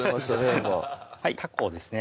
今たこですね